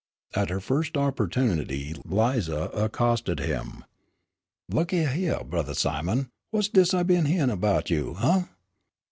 At her first opportunity Lize accosted him: "Look a hyeah, Brothah Simon, whut's dis I been hyeahin' 'bout you, huh?"